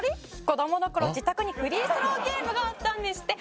子供の頃自宅にフリースローゲームがあったんですって」